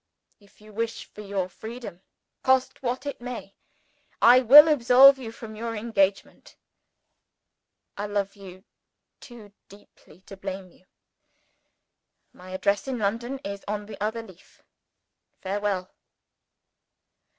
If you wish for your freedom, cost me what it may, I will absolve you from your engagement. I love you too dearly to blame you. My address in London is on the other leaf. Farewell!